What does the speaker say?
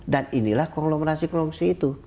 dan inilah konglomerasi konglomerasi itu